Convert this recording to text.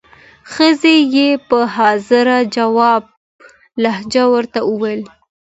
ښځې یې په حاضر جوابه لهجه ورته وویل.